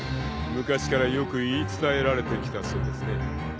［昔からよく言い伝えられてきたそうですね］